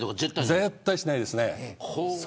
絶対しないです。